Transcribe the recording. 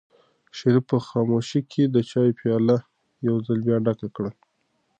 شریف په خاموشۍ کې د چایو پیاله یو ځل بیا ډکه کړه.